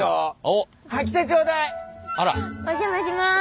お邪魔します。